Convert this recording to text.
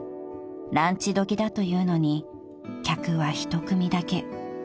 ［ランチ時だというのに客は１組だけ］